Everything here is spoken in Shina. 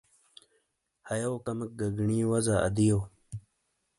ہَیو کمیک گی گینی وزا ادیو۔